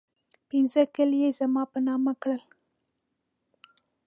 پنځه کلي یې زما په نامه کړل.